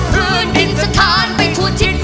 เผื่อดินสถานไปทั่วชิด